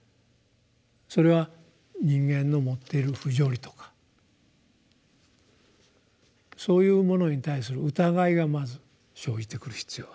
それは人間の持っている不条理とかそういうものに対する疑いがまず生じてくる必要がある。